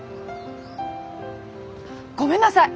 ごめんなさい！